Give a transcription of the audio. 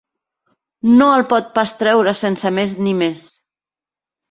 No el pot pas treure sense més ni més.